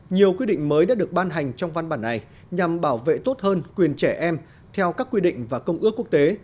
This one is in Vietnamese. nhiều quy định mới đã được ban hành trong văn bản này nhằm bảo vệ tốt hơn quyền trẻ em theo các quy định và công ước quốc tế